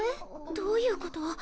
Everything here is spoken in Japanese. ・・どういうこと？